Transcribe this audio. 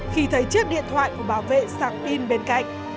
khi thấy chiếc điện thoại của bảo vệ sạc pin bên cạnh